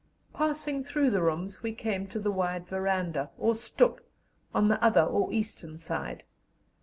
Passing through the rooms, we came to the wide verandah, or stoep, on the other or eastern side.